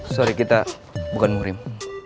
maaf kita bukan murim